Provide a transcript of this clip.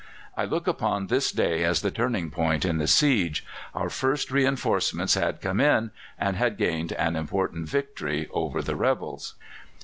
"I look upon this day as the turning point in the siege: our first reinforcements had come in, and we had gained an important victory over the rebels."